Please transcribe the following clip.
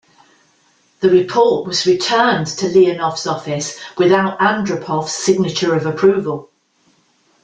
The report was returned to Leonov's office, without Andropov's signature of approval.